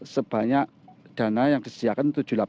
sebanyak dana yang disediakan untuk penyelesaian